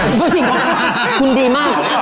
ผู้หญิงของเขาคุณดีมาก